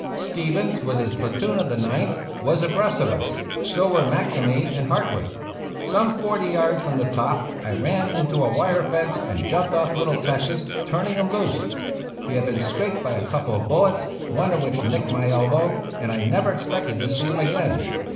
Stevens, with his platoon of the Ninth, was abreast of us ; so were McNamee and Hartwick. Some forty yards from the top I ran into a wire fence and jumped off Little Texas, turning him loose. He had been scraped by a couple of bullets, one of which nicked my elbow, and I never expected to see him again.